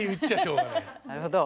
なるほど。